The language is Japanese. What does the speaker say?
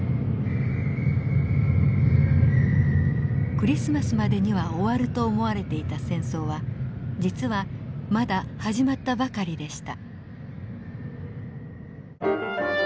クリスマスまでには終わると思われていた戦争は実はまだ始まったばかりでした。